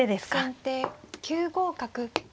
先手９五角。